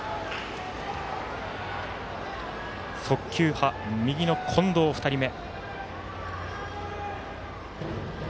速球派、右の近藤、２人目。